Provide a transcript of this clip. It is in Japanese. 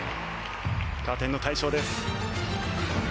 加点の対象です。